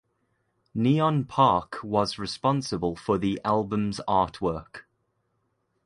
Neon Park was responsible for the album's artwork.